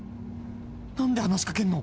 何で話しかけんの！？